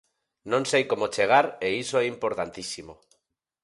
Non sei como chegar e iso é importantísimo.